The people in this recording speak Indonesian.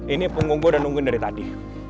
ini punggung gue udah nungguin dari tadi